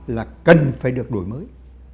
là cần phải được đổi mới